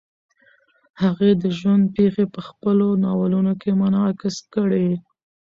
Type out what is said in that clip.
هغې د ژوند پېښې په خپلو ناولونو کې منعکس کړې.